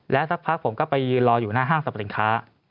สักพักผมก็ไปยืนรออยู่หน้าห้างสรรพสินค้า